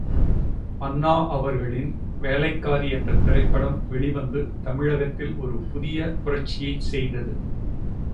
அண்ணா அவர்களின் வேலைக்காரி என்ற திரைப்படம் வெளிவந்து தமிழகத்தில் ஒரு புதிய புரட்சியைச் செய்தது.